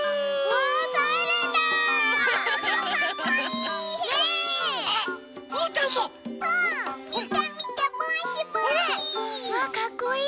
わぁかっこいい！